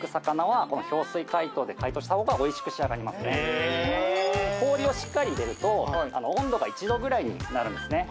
へえ氷をしっかり入れると温度が１度ぐらいになるんですね